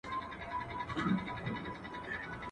o د سپو سلا فقير ته يوه ده.